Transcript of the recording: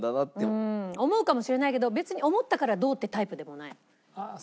思うかもしれないけど別に思ったからどうってタイプでもない。